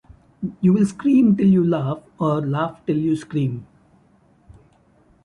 You'll scream till you laugh, or laugh till you scream.